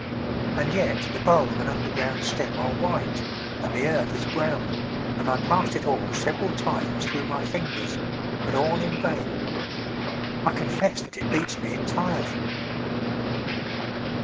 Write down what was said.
And yet the bulb and underground stem are white, and the earth is brown, and I passed it all several times through my fingers, but all in vain. I confess that it beats me entirely.